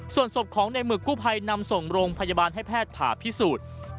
ส่วนศพของในหมึกกู้ภัยนำส่งโรงพยาบาลให้แพทย์ผ่าพิสูจน์